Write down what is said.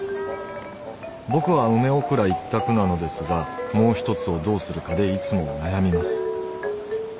僕は梅おくら一択なのですがもう一つをどうするかでいつも悩みます。